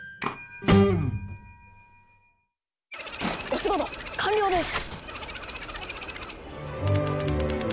お仕事完了です！